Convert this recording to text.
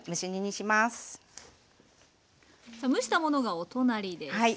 蒸したものがお隣です。